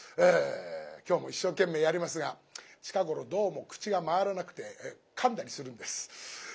今日も一生懸命やりますが近頃どうも口が回らなくてかんだりするんです。